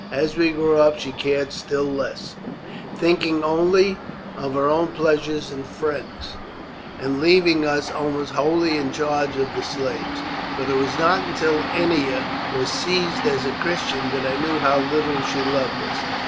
As we grew up she cared still less, thinking only of her own pleasures and friends, and leaving us almost wholly in charge of the slaves; but it was not until Ennia was seized as a Christian that I knew how little she loved us.